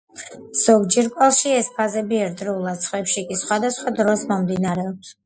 ზოგ ჯირკვალში ეს ფაზები ერთდროულად, სხვებში კი სხვადასხვა დროს მიმდინარეობს.